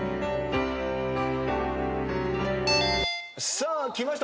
さあきました